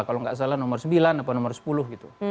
kalau nggak salah nomor sembilan atau nomor sepuluh gitu